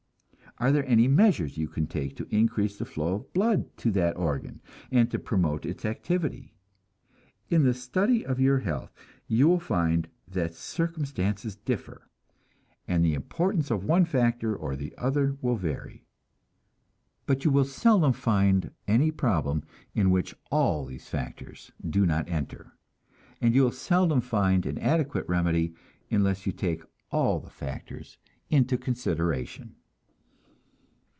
Are there any measures you can take to increase the flow of blood to that organ, and to promote its activity? In the study of your health, you will find that circumstances differ, and the importance of one factor or the other will vary; but you will seldom find any problem in which all these factors do not enter, and you will seldom find an adequate remedy unless you take all the factors into consideration.